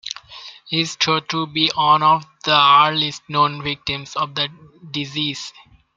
He is thought to be one of the earliest known victims of the disease.